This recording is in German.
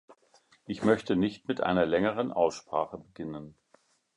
Ich möchte nicht mit einer längeren Aussprache beginnen.